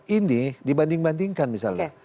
ini dibanding bandingkan misalnya